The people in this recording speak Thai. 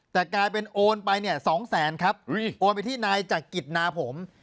แต่กลายเป็นโอนไปเนี่ย๒แสนครับโอนไปที่นายจักริตนาผม